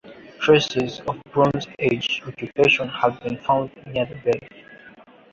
Traces of Bronze Age occupation have been found near the bay.